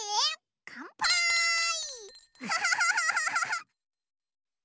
かんぱーい！